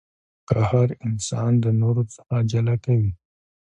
قهر انسان د نورو څخه جلا کوي.